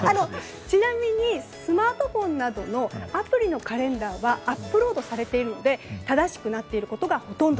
ちなみにスマートフォンなどのアプリのカレンダーはアップロードされているので正しくなっていることがほとんど。